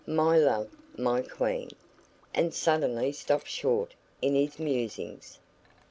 My love! My queen!" and suddenly stopped short in his musings.